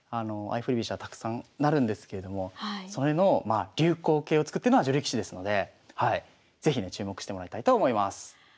相振り飛車たくさんなるんですけれどもそれの流行形を作ってるのは女流棋士ですので是非ね注目してもらいたいと思います。